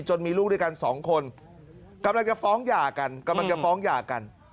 จนมีลูกด้วยกันสองคนกำลังจะฟ้องหยากัน